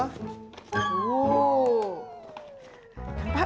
nampak bagus bagus pak